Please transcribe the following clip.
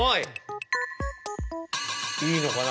いいのかな？